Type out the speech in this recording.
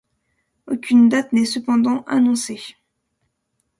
Aucune date n'est cependant annoncée.